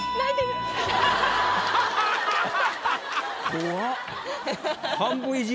怖っ。